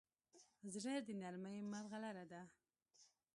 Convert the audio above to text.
زړه د نرمۍ مرغلره ده.